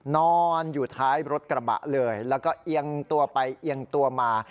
นอนอยู่ท้ายรถกระบะเลยแล้วก็เอียงตัวไปเอียงตัวมา